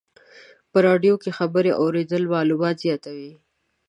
په رادیو کې خبرې اورېدل معلومات زیاتوي.